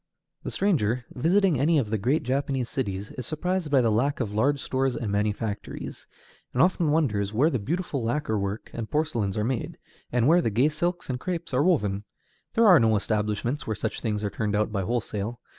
The stranger visiting any of the great Japanese cities is surprised by the lack of large stores and manufactories, and often wonders where the beautiful lacquer work and porcelains are made, and where the gay silks and crêpes are woven. There are no large establishments where such things are turned out by wholesale.